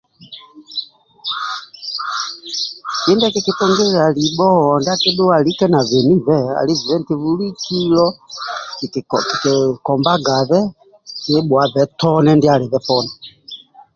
Kindie kikitungilaga libho ndia akidhuwa alike nabeni ali gia eti bulikilo kikikombagabe nibhuave tone ndia alibe poni